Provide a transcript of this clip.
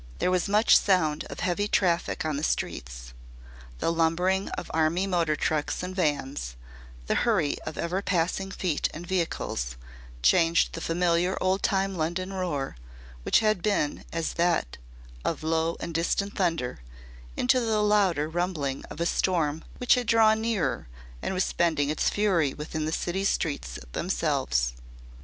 There was much sound of heavy traffic on the streets. The lumbering of army motor trucks and vans, the hurry of ever passing feet and vehicles, changed the familiar old time London roar, which had been as that of low and distant thunder, into the louder rumbling of a storm which had drawn nearer and was spending its fury within the city's streets themselves.